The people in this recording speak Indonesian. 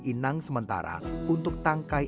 inang sementara untuk tangkai